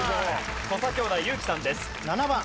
土佐兄弟有輝さんです。